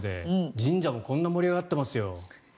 神社もこんなに盛り上がってますよ。